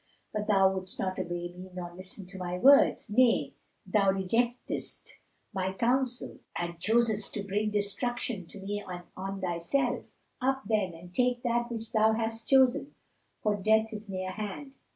But thou wouldst not obey me nor listen to my words; nay, thou rejectedst my counsel and chosest to bring destruction on me and on thyself. Up, then, and take that which thou hast chosen; for death is near hand.